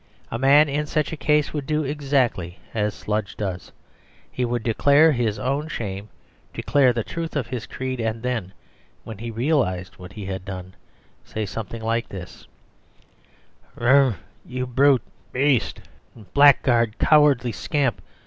A man in such a case would do exactly as Sludge does. He would declare his own shame, declare the truth of his creed, and then, when he realised what he had done, say something like this: "R r r, you brute beast and blackguard! Cowardly scamp!